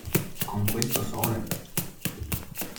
Con questo sole?